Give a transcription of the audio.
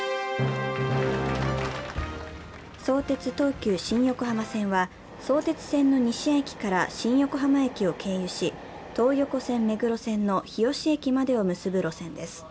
相鉄・東急新横浜線は相鉄線の西谷駅から新横浜駅を経由し、東横線、目黒線の日吉駅までを結ぶ路線です。